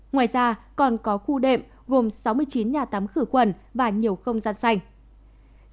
ngoài ra còn có khu đệm gồm sáu mươi chín nhà tắm khử khuẩn và nhiều không gian xanh